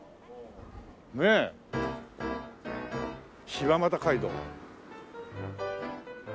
柴又街道。